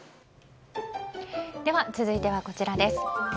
では続いてはこちらです。